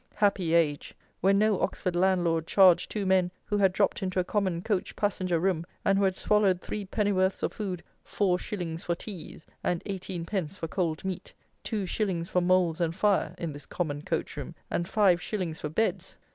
Happy age; when no Oxford landlord charged two men, who had dropped into a common coach passenger room, and who had swallowed three pennyworths of food, 'four shillings for teas,' and 'eighteen pence for cold meat,' 'two shillings for moulds and fire' in this common coach room, and 'five shillings for beds!'"